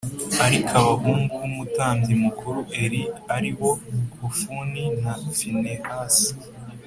Ariko abahungu b umutambyi mukuru Eli ari bo Hofuni na Finehasi